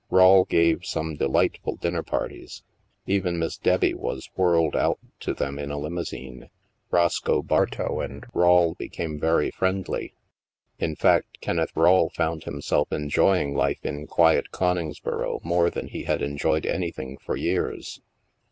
Rawle gave some delightful dinner parties. Even Miss Debbie was whirled out to them in a limousine. Roscoe Bartow and Rawle became very friendly. In fact, Kenneth Rawle found himself enjoying life in quiet Coningsboro more than he had enjoyed any thing for years.